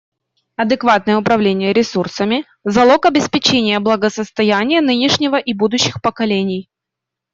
Адекватное управление ресурсами — залог обеспечения благосостояния нынешнего и будущих поколений.